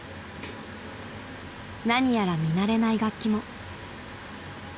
［何やら見慣れない楽器も］